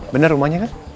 bener rumahnya kan